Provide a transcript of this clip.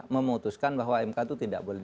memutuskan bahwa mk itu tidak boleh